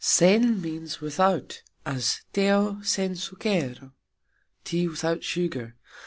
"Sen" means "without" as "Teo sen sukero", Tea without sugar.